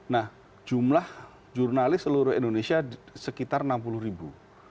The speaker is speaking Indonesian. nah jumlah jurnalis seluruh indonesia sekitar enam puluh ribu